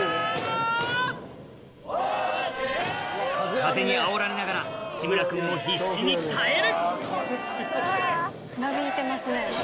風にあおられながら志村君も必死に耐える